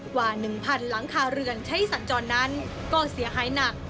กว่า๑๐๐หลังคาเรือนใช้สัญจรนั้นก็เสียหายหนัก